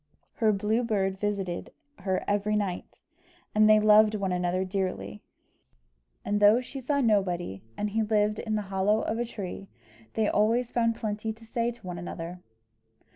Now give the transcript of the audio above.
Her Blue Bird visited her every night, and they loved one another dearly. And though she saw nobody and he lived in the hollow of a tree, they always found plenty to say to one another.